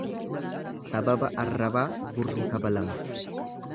Sababa arrabaa gurri kabalama.